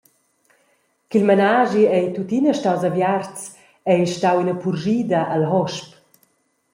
«Ch’il menaschi ei tuttina staus aviarts ei stau ina purschida al hosp.